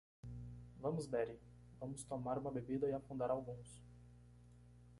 Vamos Betty? vamos tomar uma bebida e afundar alguns.